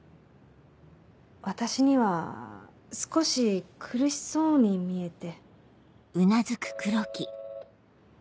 私には少し苦しそうに見えて。